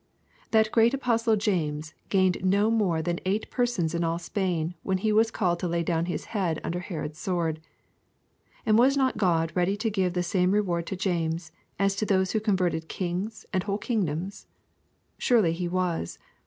That great apostle James gained no more than eight persons in all Spain when he was called to lay down his head under Herod's sword. And was not God ready to give the same reward to James as to those who converted kings and whole kingdoms? Surely He was.